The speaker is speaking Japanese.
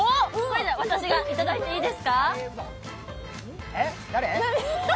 私がいただいていいですか？